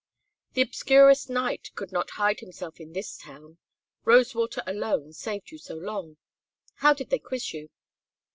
The obscurest knight could not hide himself in this town. Rosewater alone saved you so long. How did they quiz you?"